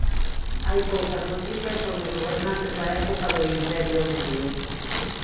Hai poucas noticias sobre os gobernantes da época do Imperio medio.